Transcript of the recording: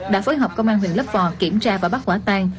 đã phối hợp công an huyện lấp vò kiểm tra và bắt quả tang